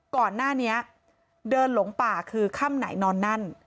ก่อนหน้านี้เดินหลงป่าคือค่ำไหนนอนนั่น